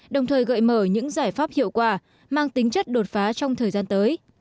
đồng thời gợi mở những giải pháp hiệu quả mang tính chất đột phá trong thời gian tới